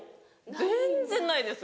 全然ないです！